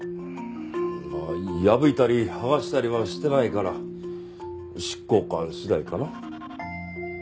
まあ破いたり剥がしたりはしてないから執行官次第かな。